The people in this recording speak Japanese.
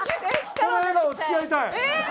この笑顔付き合いたい。